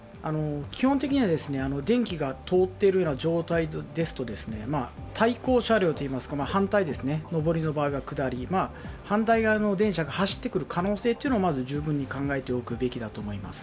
基本的には電気が通っているような状態ですと対向車両、反対ですね、上りの場合は下り、反対側の電車が走ってくる場合を十分に考えておく必要があると思います。